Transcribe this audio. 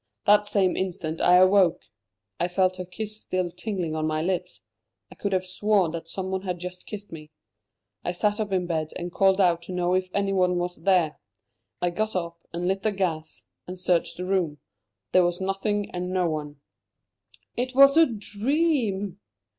That same instant I awoke. I felt her kiss still tingling on my lips. I could have sworn that someone had just kissed me. I sat up in bed and called out to know if anyone was there. I got up and lit the gas and searched the room. There was nothing and no one." "It was a dream!"